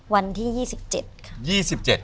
วันที่๒๗ค่ะ